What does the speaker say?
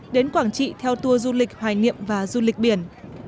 đến quảng trị theo tour du lịch hoài niệm và du lịch biển